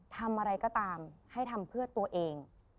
ทำอะไรก็ตามให้ทำเพื่อตัวเอง